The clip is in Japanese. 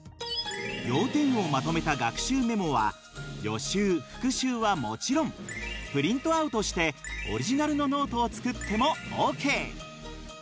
要点をまとめた学習メモは予習復習はもちろんプリントアウトしてオリジナルのノートを作ってもＯＫ！